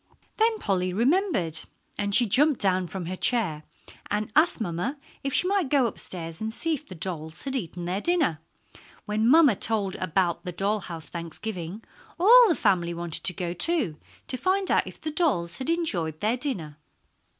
Then Polly remembered, and she jumped down from her chair and asked mamma if she might go upstairs and see if the dolls had eaten their dinner. When mamma told about the doll house Thanksgiving, all the family wanted to go, too, to find out if the dolls had enjoyed their dinner.